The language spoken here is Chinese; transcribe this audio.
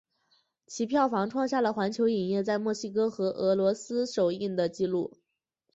其票房创下了环球影业在墨西哥和俄罗斯首映的纪录。